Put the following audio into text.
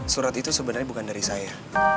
surat itu sebenarnya bukan dari saya